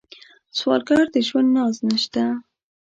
سوالګر د ژوند ناز نشته